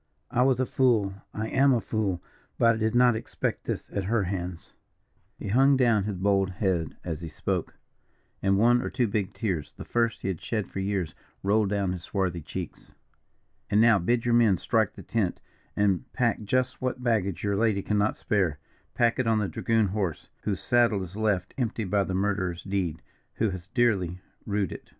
I was a fool I am a fool, but I did not expect this at her hands." He hung down his bold head as he spoke, and one or two big tears, the first he had shed for years, rolled down his swarthy cheeks. "And now bid your men strike the tent, and pack just what baggage your lady cannot spare. Pack it on the dragoon horse, whose saddle is left empty by that murderer's deed, who has dearly rued it.